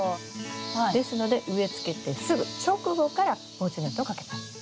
ですので植え付けてすぐ直後から防虫ネットをかけます。